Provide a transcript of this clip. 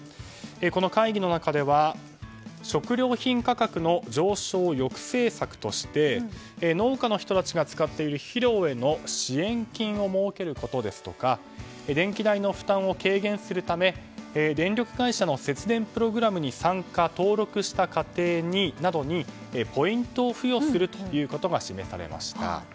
この会議の中では食料品価格の上昇抑制策として農家の人たちが使っている肥料への支援金を設けることですとか電気代の負担を軽減するため電力会社の節電プログラムに参加・登録した家庭などにポイントを付与することが示されました。